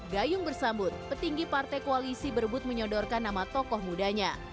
gayung bersambut petinggi partai koalisi berbut menyodorkan nama tokoh mudanya